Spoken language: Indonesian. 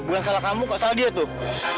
bukan salah kamu kok salah dia tuh